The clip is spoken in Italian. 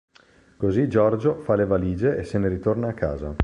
Così Giorgio fa le valigie e se ne ritorna a casa.